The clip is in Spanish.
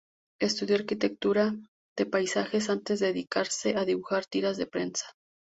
Estudió arquitectura de paisajes antes de dedicarse a dibujar tiras de prensa.